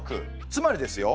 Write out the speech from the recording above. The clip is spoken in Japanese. つまりですよ